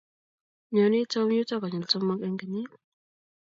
nyonii tom yuto konyil somok eng kenyit